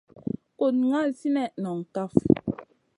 Kuɗ ŋal sinèh noŋ kaf.